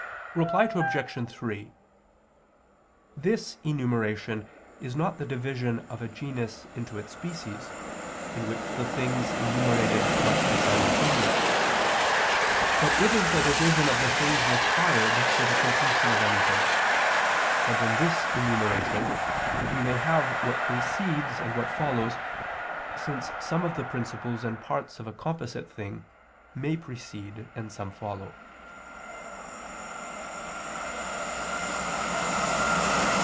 Reply Obj. 3: This enumeration is not the division of a genus into its species, in which the things enumerated must be simultaneous; but it is division of the things required for the completion of anything; and in this enumeration we may have what precedes and what follows, since some of the principles and parts of a composite thing may precede and some follow.